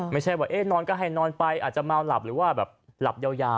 ไม่ใช่ว่านอนก็ให้นอนไปอาจจะเมาหลับหรือว่าแบบหลับยาว